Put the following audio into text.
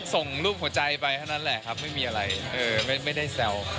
ส่งรูปหัวใจไปเท่านั้นแหละครับไม่มีอะไรไม่ได้แซว